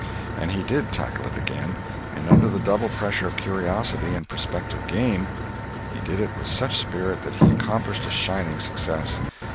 And he did "tackle it again"—and under the double pressure of curiosity and prospective gain he did it with such spirit that he accomplished a shining success.